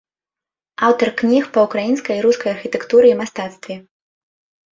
Аўтар кніг па ўкраінскай і рускай архітэктуры і мастацтве.